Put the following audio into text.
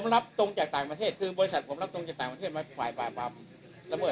แล้วแต่ทางบริษัทเขาตกลงคุยเกียรติศาสตร์คุยกันนะครับ